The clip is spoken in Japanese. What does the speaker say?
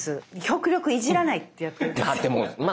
極力いじらないってやってるんですよ。